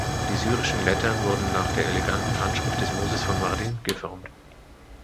Die syrischen Lettern wurden nach der eleganten Handschrift des Moses von Mardin geformt.